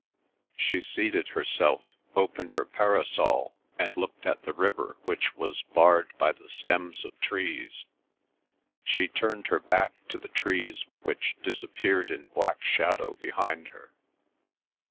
She seated herself, opened her parasol, and looked at the river which was barred by the stems of trees. She turned her back to the trees which disappeared in black shadow behind her.